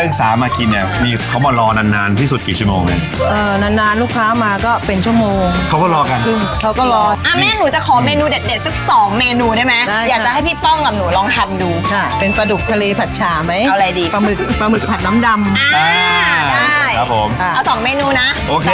เป็นสามากที่เนี่ยเค้าบอนลอนานที่สุดกี่ชั่วโมงเนี้ย